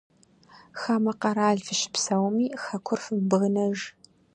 Хамэ къэрал фыщыпсэуми, хэкур фымыбгынэж.